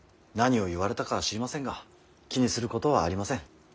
何を言われたか知りませんが気にすることはありません。